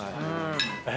え！